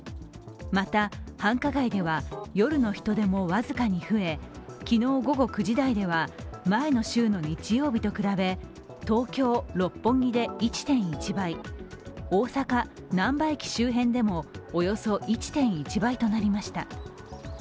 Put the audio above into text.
また、繁華街では夜の人出も僅かに増え昨日午後９時台では前の週の日曜日と比べ、東京・六本木で１．１倍、大阪・なんば駅周辺でもおよそ１．１倍となりました。